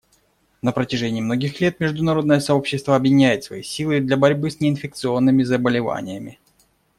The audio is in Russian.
На протяжении многих лет международное сообщество объединяет свои силы для борьбы с неинфекционными заболеваниями.